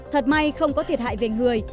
thật may không có thiệt hại về người